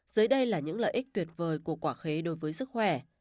dưới đây là những lợi ích tuyệt vời của quả khế đối với sức khỏe